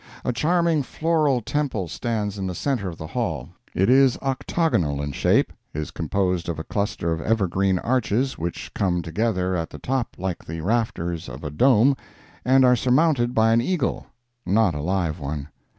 A charming floral temple stands in the centre of the Hall; it is octagonal in shape, is composed of a cluster of evergreen arches which come together at the top like the rafters of a dome, and are surmounted by an eagle—not a live one.